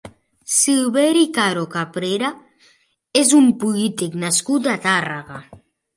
Silveri Caro Cabrera és un polític nascut a Tàrrega.